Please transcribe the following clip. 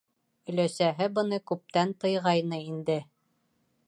Өләсәһе быны күптән тыйғайны инде.